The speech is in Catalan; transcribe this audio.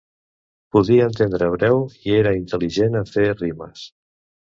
Podia entendre hebreu i era intel·ligent en fer rimes.